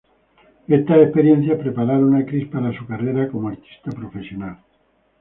Estas experiencias prepararon a Chris para su carrera como artista profesional.